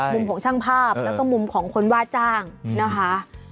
มุมของช่างภาพแล้วก็มุมของคนว่าจ้างนะคะ